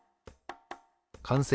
完成。